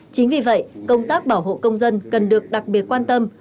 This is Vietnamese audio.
chính vì vậy công tác bảo hộ công dân cần được đặc biệt quan tâm